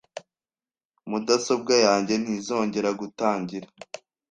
Mudasobwa yanjye ntizongera gutangira.